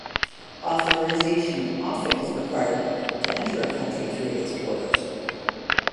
Authorization often is required to enter a country through its borders.